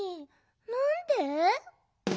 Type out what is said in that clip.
なんで？